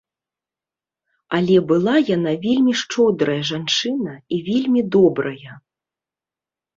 Але была яна вельмі шчодрая жанчына і вельмі добрая.